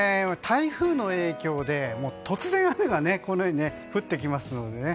台風の影響で突然雨がこのように降ってきますので。